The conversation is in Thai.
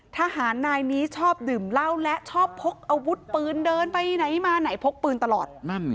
ทหารนายนี้ชอบดื่มเหล้าและชอบพกอาวุธปืนเดินไปไหนมาไหนพกปืนตลอด